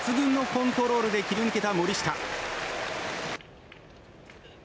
抜群のコントロールで切り抜けた森下。